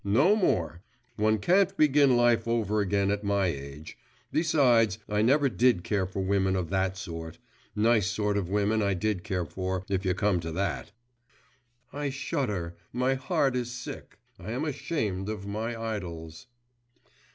No more! One can't begin life over again at my age. Besides, I never did care for women of that sort.… Nice sort of women I did care for, if you come to that!! 'I shudder my heart is sick I am ashamed of my idols.